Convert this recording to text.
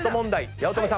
八乙女さん！